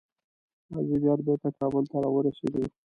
مازدیګر بیرته کابل ته راورسېدو.